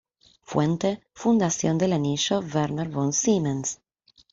Fuente: Fundación del Anillo Werner von Siemens